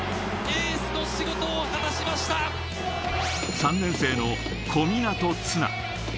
３年生の小湊絆。